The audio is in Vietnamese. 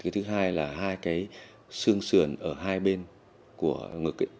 thứ hai là hai cái xương sườn ở hai bên của ngực